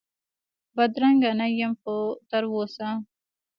بدرنګه نه یم خو تراوسه،